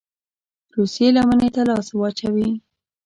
روسيې لمني ته لاس واچوي.